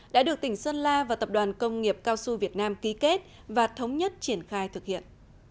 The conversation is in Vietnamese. đã được tỉnh sơn la và tập đoàn công nghiệp cao su việt nam ký kết và thống nhất triển khai thực hiện